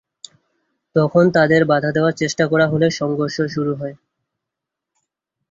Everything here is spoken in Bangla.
তখন তাঁদের বাধা দেওয়ার চেষ্টা করা হলে সংঘর্ষ শুরু হয়।